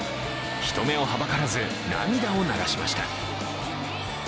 人目をはばからず涙を流しました。